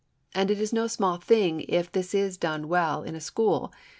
And it is no small thing if this is well done in a school.